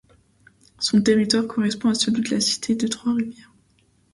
Son territoire correspond à celui de la cité de Trois-Rivières.